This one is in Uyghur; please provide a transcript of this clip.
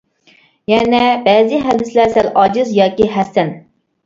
يەنە بەزى ھەدىسلەر سەل ئاجىز ياكى ھەسەن.